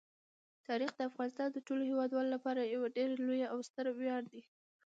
تاریخ د افغانستان د ټولو هیوادوالو لپاره یو ډېر لوی او ستر ویاړ دی.